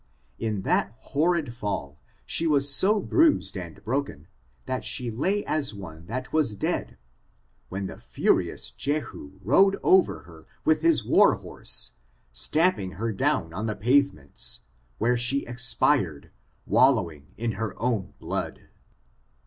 In that horrid fall, she was so bruised and broken, that she lay as one that was dead, when the furious Jehu rode over her with his war horse, stamping her down on the pavements, where she expired, wallowing in her own blood.